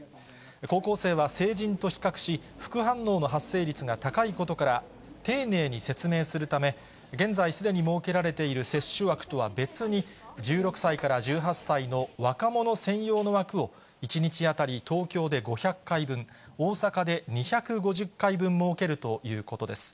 高校生は成人と比較し、副反応の発生率が高いことから、丁寧に説明するため、現在、すでに設けられている接種枠とは別に、１６歳から１８歳の若者専用の枠を１日当たり東京で５００回分、大阪で２５０回分設けるということです。